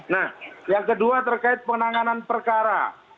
nah yang kedua terkait penanganan perkara